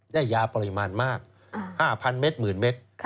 ได้ยาปริมาณมาก๕๐๐๐เม็ด๑๐๐๐๐เม็ด